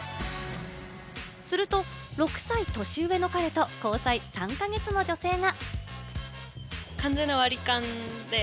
すると、６歳年上の彼と交際３か月の女性が。